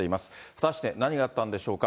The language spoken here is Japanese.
果たして何があったんでしょうか。